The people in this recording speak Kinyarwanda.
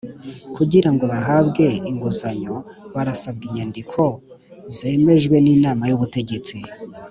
Kugira ngo bahabwe inguzanyo barasabwa inyandiko zemejwe n’inama y’ubutegetsi